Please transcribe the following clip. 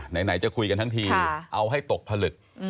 ไหนจะคุยกันทั้งทีเอาให้ตกผลึก